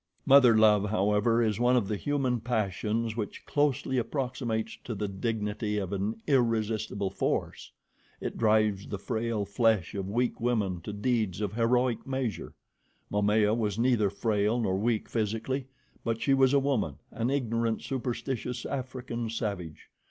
Mother love, however, is one of the human passions which closely approximates to the dignity of an irresistible force. It drives the frail flesh of weak women to deeds of heroic measure. Momaya was neither frail nor weak, physically, but she was a woman, an ignorant, superstitious, African savage.